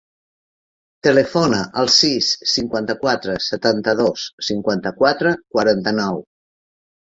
Telefona al sis, cinquanta-quatre, setanta-dos, cinquanta-quatre, quaranta-nou.